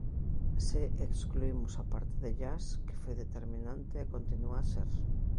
Se excluímos a parte de jazz que foi determinante e continua a ser.